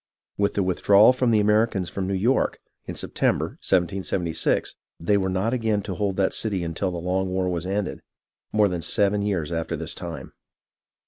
With the withdrawal of the Americans from New York, in September, 1776, they were not again to hold that city until the long war was ended, more than seven years after this time.